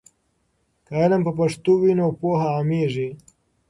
که علم په پښتو وي نو پوهه عامېږي.